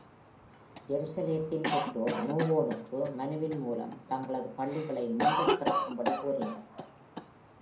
ஜெருசலேத்தின் பெற்றோர் நேவோனுக்கு மனுவின் மூலம் தங்களது பள்ளிகளை மீண்டும் திறக்கும்படி கோரினர்.